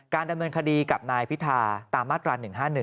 ดำเนินคดีกับนายพิธาตามมาตรา๑๕๑